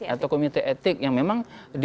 atau komite etik yang memang